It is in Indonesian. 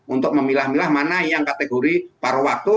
untuk memilah milah mana yang kategori paruh waktu